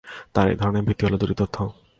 তাঁর এই ধারণার ভিত্তি হল দু’টি তথ্য।